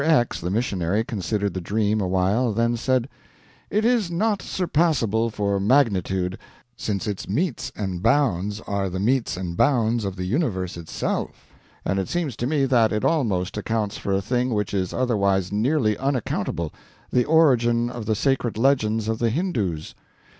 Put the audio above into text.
X., the missionary, considered the dream awhile, then said: "It is not surpassable for magnitude, since its metes and bounds are the metes and bounds of the universe itself; and it seems to me that it almost accounts for a thing which is otherwise nearly unaccountable the origin of the sacred legends of the Hindoos.